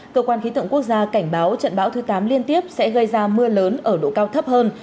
cơ quan khí tượng quốc gia cảnh báo trận bão thứ tám liên tiếp sẽ gây ra mưa lớn ở độ cao thấp hơn